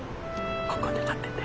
ここで待ってて。